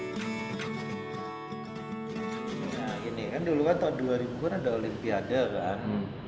nah ini kan dulu kan tahun dua ribu kan ada olimpiade kan